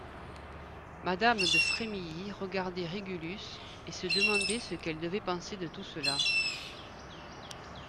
Madame de Frémilly regardait Régulus et se demandait ce qu'elle devait penser de tout cela.